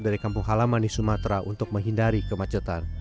dari kampung halaman di sumatera untuk menghindari kemacetan